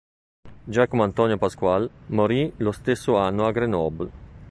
Giacomo Antonio Pasqual morì lo stesso anno a Grenoble.